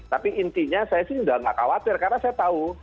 tapi intinya saya sih udah nggak khawatir karena saya tau